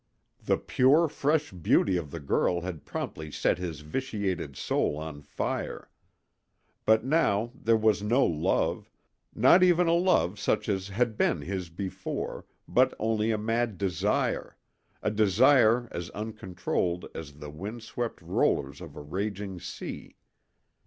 The pure fresh beauty of the girl had promptly set his vitiated soul on fire. But now there was no love, not even a love such as had been his before, but only a mad desire, a desire as uncontrolled as the wind swept rollers of a raging sea.